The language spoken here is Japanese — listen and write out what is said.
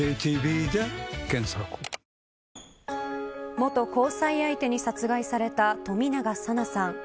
元交際相手に殺害された冨永紗菜さん。